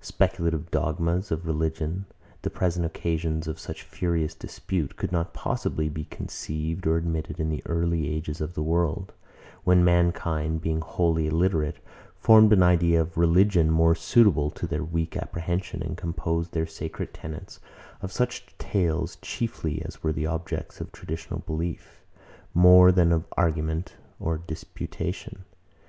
Speculative dogmas of religion, the present occasions of such furious dispute, could not possibly be conceived or admitted in the early ages of the world; when mankind, being wholly illiterate, formed an idea of religion more suitable to their weak apprehension, and composed their sacred tenets of such tales chiefly as were the objects of traditional belief, more than of argument or disputation.